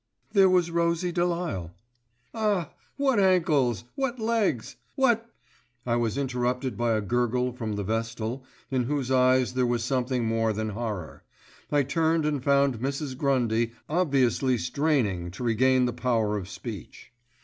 "There was Rosie de Lisle——" "Ah, what ankles! what legs! what——" I was interrupted by a gurgle from the Vestal in whose eyes there was something more than horror. I turned and found Mrs. Grundy obviously striving to regain the power of speech.